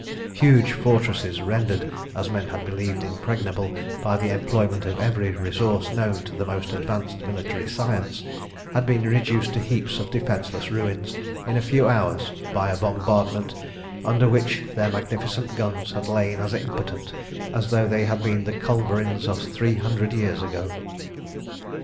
Huge fortresses, rendered, as men had believed, impregnable by the employment of every resource known to the most advanced military science, had been reduced to heaps of defenceless ruins in a few hours by a bombardment, under which their magnificent guns had lain as impotent as though they had been the culverins of three hundred years ago.